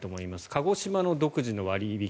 鹿児島の独自の割引